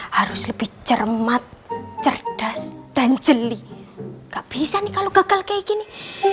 harus lebih cermat cerdas dan jeli gak bisa nih kalau gagal kayak gini